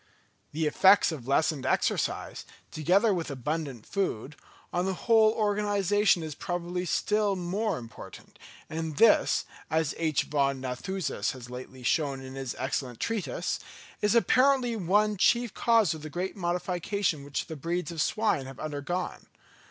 The effects of lessened exercise, together with abundant food, on the whole organisation is probably still more important, and this, as H. von Nathusius has lately shown in his excellent Treatise, is apparently one chief cause of the great modification which the breeds of swine have undergone.